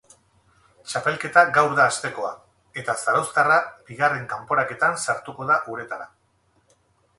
Txapelketa gaur da hastekoa, eta zarauztarra bigarren kanporaketan sartuko da uretara.